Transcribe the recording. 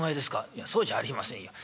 「いやそうじゃありませんよ。